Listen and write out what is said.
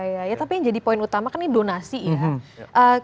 iya ya tapi yang jadi poin utama kan ini donasi ya